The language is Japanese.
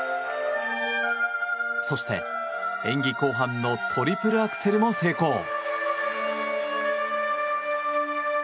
そして、演技後半のトリプルアクセルも成功。